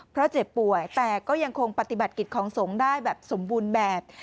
เพราะเจ็บป่วยแต่ก็ยังคงปฏิบัติกิจของสงฆ์ได้แบบสมบูรณ์แบบ